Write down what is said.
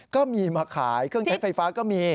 ก็มีมาขายเครื่องใช้ไฟฟ้าก็มี